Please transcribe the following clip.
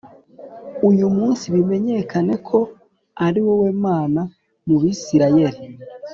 uyu munsi bimenyekane ko ari wowe Mana mu Bisirayeli